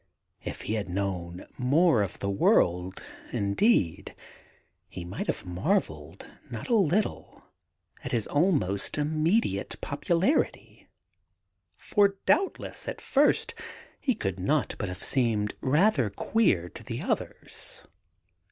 If he had known more of the world, indeed, he might have marvelled not a little at his almost immediate popularity, for doubtless, at first, he could not but have seemed 'rather queer' to the others.